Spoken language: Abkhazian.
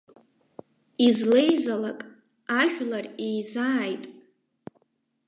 Излеизалак ажәлар еизааит.